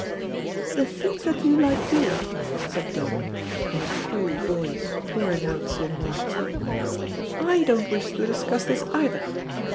"The things that you like doing," said Dodo, in a cool voice pouring out some more tea. "I don't wish to discuss this either.